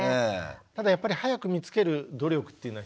ただやっぱり早くみつける努力っていうのは必要なんですね。